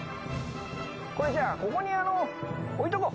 これじゃあここに置いとこう。